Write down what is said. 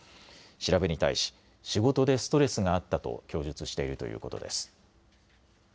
調べに対し仕事でストレスがあったと供述しているということです。